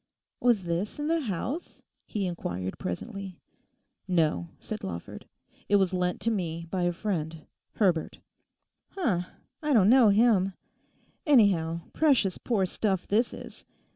'Was this in the house?' he inquired presently. 'No,' said Lawford; 'it was lent to me by a friend—Herbert.' 'H'm! don't know him. Anyhow, precious poor stuff this is.